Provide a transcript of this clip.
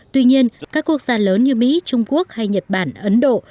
tuy nhiên các quốc gia lớn như mỹ trung quốc hay nhật bản ấn độ